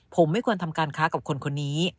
ผมไม่ควรทำการค้ากับคนคนนี้